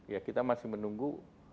ya kita masih menunggu